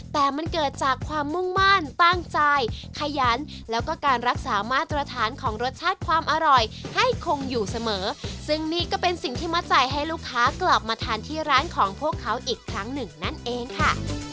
แต่มันเกิดจากความมุ่งมั่นตั้งใจขยันแล้วก็การรักษามาตรฐานของรสชาติความอร่อยให้คงอยู่เสมอซึ่งนี่ก็เป็นสิ่งที่มัดใจให้ลูกค้ากลับมาทานที่ร้านของพวกเขาอีกครั้งหนึ่งนั่นเองค่ะ